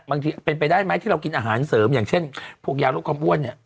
บางทีเป็นไปได้ไหมที่เรากินอาหารเสริมอย่างเช่นพวกยาโรคความอ้วนเนี่ย